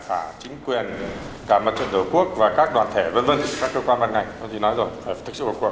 cả chính quyền cả mặt trận giới quốc và các đoàn thể v v các cơ quan mặt ngành